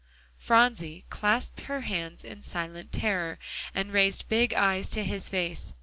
Phronsie clasped her hands in silent terror, and raised big eyes to his face.